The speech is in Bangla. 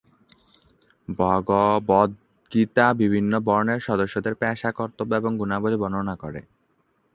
ভগবদ্গীতা বিভিন্ন বর্ণের সদস্যদের পেশা, কর্তব্য এবং গুণাবলী বর্ণনা করে।